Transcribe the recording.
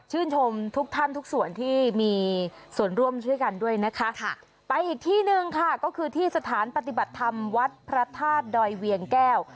ชมทุกท่านทุกส่วนที่มีส่วนร่วมช่วยกันด้วยนะคะไปอีกที่หนึ่งค่ะก็คือที่สถานปฏิบัติธรรมวัดพระธาตุดอยเวียงแก้ว